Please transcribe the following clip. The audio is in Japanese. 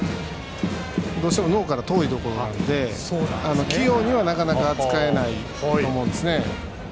どうしても脳から遠いところなので器用には、なかなか扱えないと思うんですね。